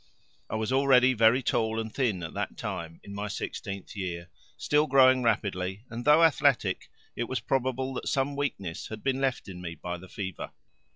I was already very tall and thin at that time, in my sixteenth year, still growing rapidly, and though athletic, it was probable that some weakness had been left in me by the fever.